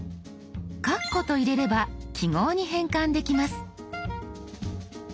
「かっこ」と入れれば記号に変換できます。